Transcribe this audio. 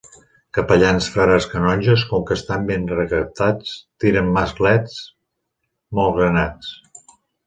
Capellans, frares, canonges, com que estan ben recaptats, tiren masclets molt granats.